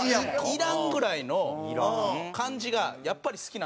「いらん」ぐらいの感じがやっぱり好きなんですよね。